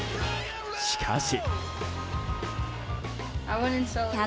しかし。